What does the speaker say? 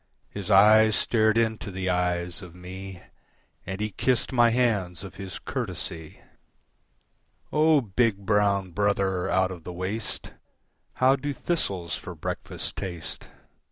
His eyes stared into the eyes of me And he kissed my hands of his courtesy. "O big, brown brother out of the waste, How do thistles for breakfast taste?